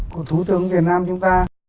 của thủ tướng việt nam chúng ta